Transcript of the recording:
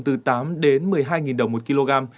từ tám đến một mươi hai đồng một kg